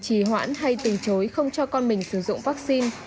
chỉ hoãn hay từng chối không cho con mình sử dụng vaccine